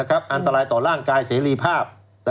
อันตรายต่อร่างกายเสรีภาพ